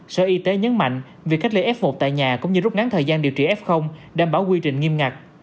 sở y tế nhấn mạnh việc cách ly f một tại nhà cũng như rút ngắn thời gian điều trị f đảm bảo quy trình nghiêm ngặt